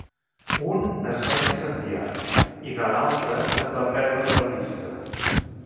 Un es va incendiar i de l’altre se’n va perdre la pista.